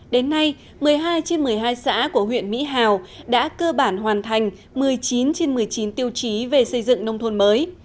đến nay một mươi hai trên một mươi hai xã của huyện mỹ hào đã cơ bản hoàn thành một mươi chín trên một mươi chín tiêu chí về xây dựng nông thôn mới